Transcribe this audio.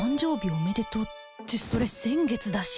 おめでとうってそれ先月だし